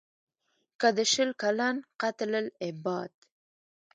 که د شل کلن «قتل العباد»